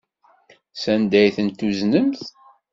Sanda ay tent-tuznemt?